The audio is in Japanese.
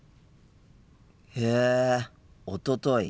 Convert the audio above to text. へえ「おととい」。